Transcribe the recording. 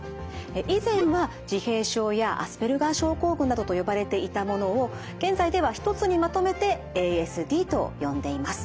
以前は自閉症やアスペルガー症候群などと呼ばれていたものを現在では一つにまとめてＡＳＤと呼んでいます。